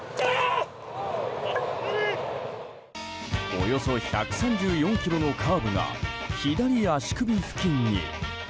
およそ１３４キロのカーブが左足首付近に。